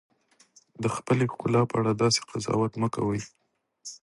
د خپلې ښکلا په اړه داسې قضاوت مه کوئ.